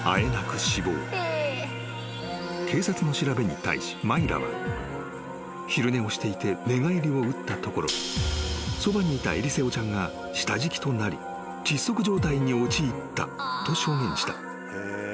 ［警察の調べに対しマイラは昼寝をしていて寝返りを打ったところそばにいたエリセオちゃんが下敷きとなり窒息状態に陥ったと証言した］